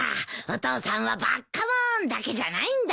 お父さんはバッカモーンだけじゃないんだな。